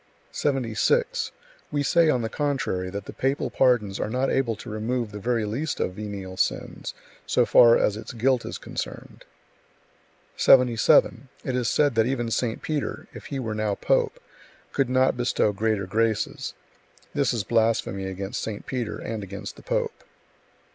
76. We say, on the contrary, that the papal pardons are not able to remove the very least of venial sins, so far as its guilt is concerned. 77. It is said that even St. Peter, if he were now Pope, could not bestow greater graces; this is blasphemy against St. Peter and against the pope.